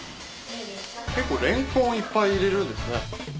結構レンコンいっぱい入れるんですね。